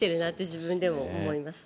自分でも思います。